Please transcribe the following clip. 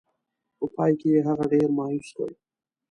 په پای کې یې هغه ډېر مایوس کړ.